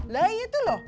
lah itu loh